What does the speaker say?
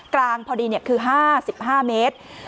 กลางพอดีคือ๕๕เมตร